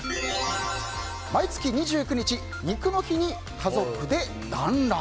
毎月２９日、肉の日に家族で団らん。